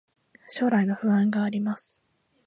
将来の不安があります